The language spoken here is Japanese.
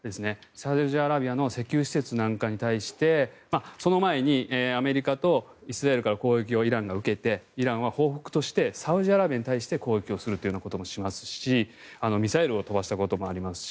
サウジアラビアの石油施設なんかに対してその前に、アメリカとイスラエルから攻撃をイランが受けてイランは報復としてサウジアラビアに対して攻撃をするということもしますしミサイルを飛ばしたこともありますし。